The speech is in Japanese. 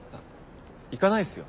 行かないっすよ。